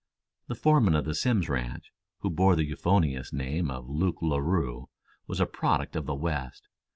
The foreman of the Simms ranch, who bore the euphonious name of Luke Larue, was a product of the West.